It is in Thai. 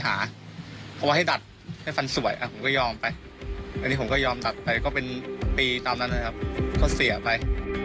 ให้ดัดเล่นฝั่งสวยก็ยอมไปแล้วนี่ก็ยอมตัดไปก็เป็นปีต่างไม้ก็เสียไป